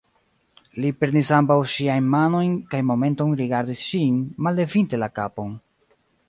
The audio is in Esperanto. Li prenis ambaŭ ŝiajn manojn kaj momenton rigardis ŝin, mallevinte la kapon